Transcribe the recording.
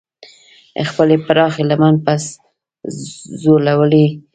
د خپلې پراخې لمن په ځولۍ کې.